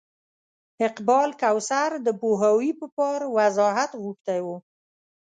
اقبال کوثر د پوهاوي په پار وضاحت غوښتی و.